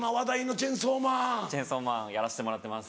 『チェンソーマン』やらせてもらってます。